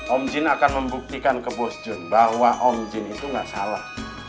om jin akan membuktikan ke bos john bahwa om jin itu nggak salah